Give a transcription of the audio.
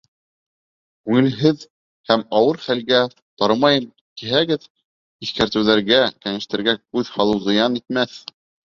Күңелһеҙ һәм ауыр хәлгә тарымайым тиһәгеҙ, иҫкәртеүҙәргә, кәңәштәргә күҙ һалыу зыян итмәҫ.